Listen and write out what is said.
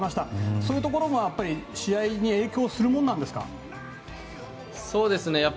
そういうところも試合に影響するものなんですか？